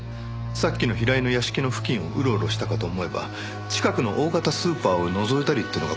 さっきの平井の屋敷の付近をうろうろしたかと思えば近くの大型スーパーをのぞいたりってのがこの調査。